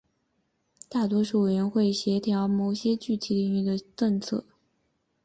大多数委员会协调某些具体领域的政策。